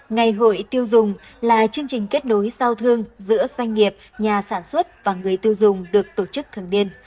ngày hội tiêu dùng là chương trình kết nối giao thương giữa doanh nghiệp nhà sản xuất và người tiêu dùng được tổ chức thường điên